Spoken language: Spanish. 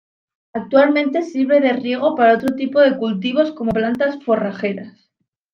Actualmente sirve de riego para otro tipo de cultivos, como plantas forrajeras.